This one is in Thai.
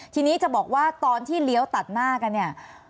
ทีนี้จะบอกว่าตอนที่เลี้ยวตัดหน้ากันเนี่ย